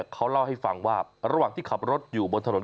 เขาเล่าให้ฟังว่าระหว่างที่ขับรถอยู่บนถนน